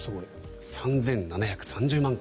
３７３０万回。